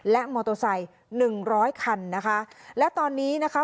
และมอเตอร์ไซค์หนึ่งร้อยคันนะคะและตอนนี้นะคะ